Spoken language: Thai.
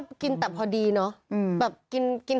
แบบกินให้พอดีอย่ากินอะไรเยอะเกินเลย